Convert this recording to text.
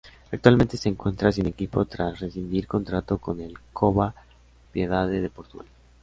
Actualmente se encuentra sin equipo tras rescindir contrato con el Cova Piedade de Portugal.